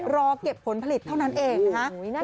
รอเก็บผลผลิตเท่านั้นเองนะคะ